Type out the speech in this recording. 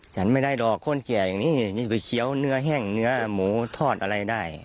ฉันไม่ได้หรอกคนแก่อย่างนี้นี่ก๋วเนื้อแห้งเนื้อหมูทอดอะไรได้